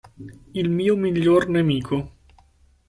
Il mio miglior nemico